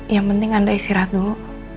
yang penting anda istirahat dulu